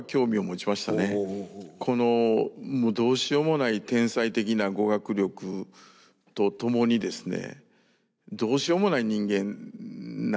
このもうどうしようもない天才的な語学力とともにですねどうしようもない人間なんですよね。